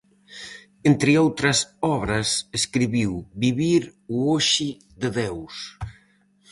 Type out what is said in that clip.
Entre outras obras, escribiu "Vivir o hoxe de Deus".